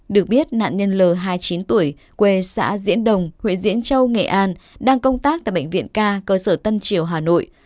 được biết nạn nhân l hai mươi chín tuổi quê xã diễn đồng huyện diễn châu nghệ an đang công tác tại bệnh viện ca cơ sở tân triều hà nội